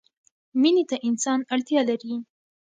مینې ته انسان اړتیا لري.